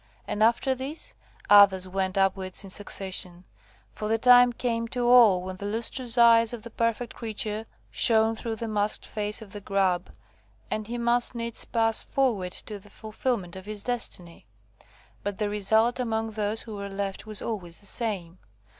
And after this, others went upwards in succession; for the time came to all when the lustrous eyes of the perfect creature shone through the masked face of the Grub, and he must needs pass forward to the fulfilment of his destiny. But the result among those who were left was always the same.